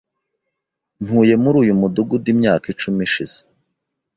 Ntuye muri uyu mudugudu imyaka icumi ishize.